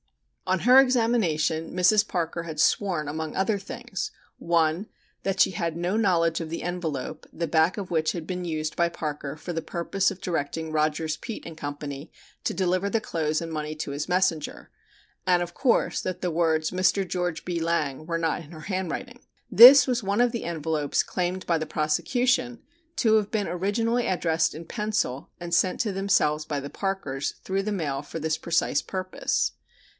On her examination Mrs. Parker had sworn among other things: (1) That she had no knowledge of the envelope, the back of which had been used by Parker for the purpose of directing Rogers, Peet & Co. to deliver the clothes and money to his messenger and, of course, that the words "Mr. Geo. B. Lang" were not in her handwriting. This was one of the envelopes claimed by the prosecution to have been originally addressed in pencil and sent to themselves by the Parkers through the mail for this precise purpose.